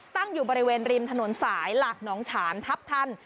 ตั้งอยู่บริเวณริมถนนสายหลักหนองฉานทัพทัน